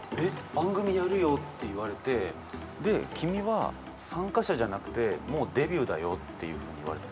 「番組やるよ」って言われてで「君は参加者じゃなくてもうデビューだよ」っていうふうに言われた？